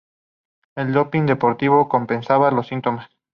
El doping deportivo compensaba los síntomas.